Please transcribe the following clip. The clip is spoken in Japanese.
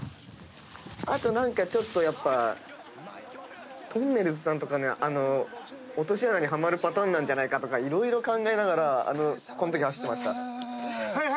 「あとやっぱとんねるずさんとかの落とし穴にはまるパターンじゃないかとか色々考えながらこのとき走ってました」